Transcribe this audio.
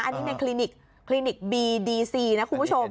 อันนี้ในคลินิกคลินิกบีดีซีนะคุณผู้ชม